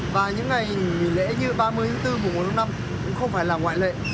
và những ngày nghỉ lễ như ba mươi bốn hai nghìn một mươi năm cũng không phải là ngoại lệ